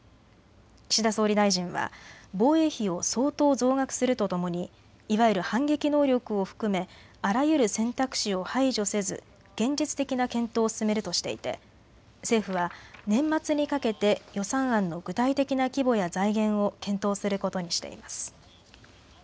岸田総理大臣は防衛費を相当増額するとともにいわゆる反撃能力を含めあらゆる選択肢を排除せず現実的な検討を進めるとしていて政府は年末にかけて予算案の具体的な規模や財源を検討することにしています。